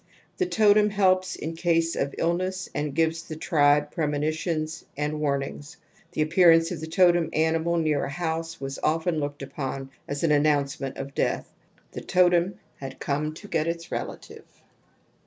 The totem helps in case of illness and gives the tribe premonitions and warnings. The appear ance of the totem animal near a house was often looked upon as an annoimcement of death The totem had come to get its relative®.